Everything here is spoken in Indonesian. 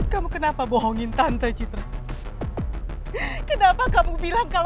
kau gak bisa set sms b haha